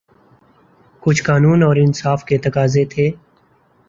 کچھ قانون اور انصاف کے تقاضے تھے۔